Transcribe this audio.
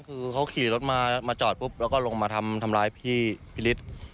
คือเขาขี่รถมาจอดปุ๊บแล้วก็ลงมาทำร้ายพี่พิฤทธิ์